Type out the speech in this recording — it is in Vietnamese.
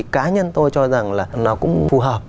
cá nhân tôi cho rằng là nó cũng phù hợp